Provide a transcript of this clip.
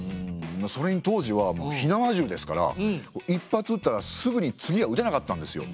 それに当時は火縄銃ですから一発うったらすぐに次はうてなかったんですよ。